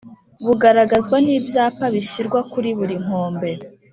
bugaragazwa nibyapa bishyirwa kuri buri nkombe